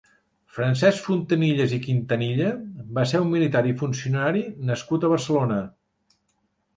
Francesc Fontanilles i Quintanilla va ser un militar i funcionari nascut a Barcelona.